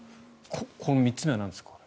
この３つ目はなんですか？